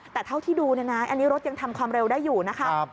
แต่เท่าที่ดูเนี่ยนะอันนี้รถยังทำความเร็วได้อยู่นะคะ